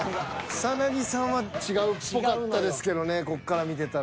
草さんは違うっぽかったですけどねこっから見てたら。